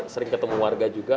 sering ketemu warga juga